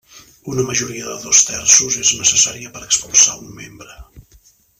Una majoria de dos terços és necessària per expulsar a un membre.